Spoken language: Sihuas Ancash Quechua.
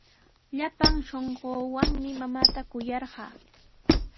Llapan shunquuwanmi mamaata kuyarqaa.